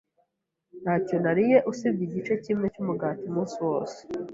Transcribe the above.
Ntacyo nariye usibye igice kimwe cyumugati umunsi wose.